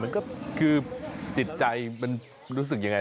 มันก็คือจิตใจมันรู้สึกยังไง